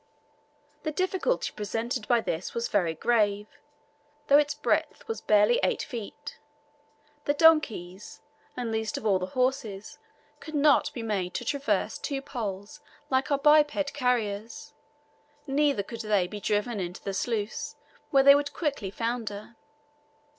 The difficulty presented by this was very grave, though its breadth was barely eight feet; the donkeys, and least of all the horses, could not be made to traverse two poles like our biped carriers, neither could they be driven into the sluice, where they would quickly founder.